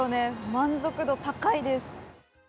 満足度高いです。